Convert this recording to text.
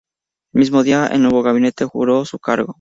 El mismo día el nuevo gabinete juró su cargo.